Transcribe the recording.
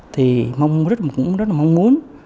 thì mong muốn cũng rất là mong muốn